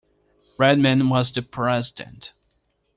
Redman was the president.